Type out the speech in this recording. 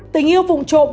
tình yêu vụn trộm